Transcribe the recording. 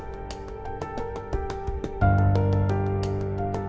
gue mencerigakan dia